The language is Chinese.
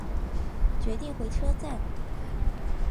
决定回车站